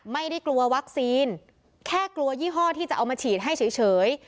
ไม่ได้กลัววัคซีนแค่กลัวยี่ห้อที่จะเอามาฉีดให้เฉย